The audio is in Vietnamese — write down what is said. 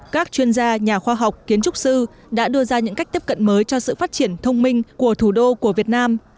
các chuyên gia nhà khoa học kiến trúc sư đã đưa ra những cách tiếp cận mới cho sự phát triển thông minh của thủ đô của việt nam